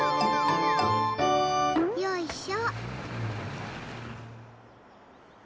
よいしょ。